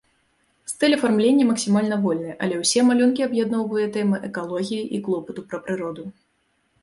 Стыль афармлення максімальна вольны, але ўсе малюнкі аб'ядноўвае тэма экалогіі і клопату пра прыроду.